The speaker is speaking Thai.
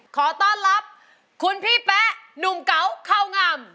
ขอต้อนรับคุณพี่แป๊ะหนุ่มเก๋าเข้างาม